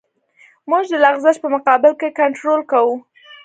موږ د لغزش په مقابل کې کنټرول کوو